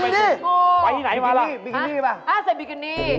เจ๊ไปที่ตัวโหวบีกินี่บ้างใส่บีกินี่